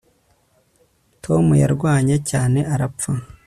Tom yararwaye cyane arapfa